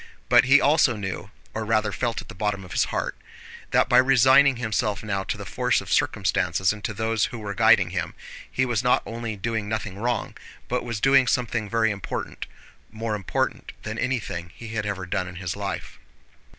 But he also knew (or rather felt at the bottom of his heart) that by resigning himself now to the force of circumstances and to those who were guiding him, he was not only doing nothing wrong, but was doing something very important—more important than anything he had ever done in his life.